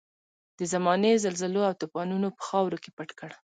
د زمانې زلزلو او توپانونو په خاورو کې پټ کړ.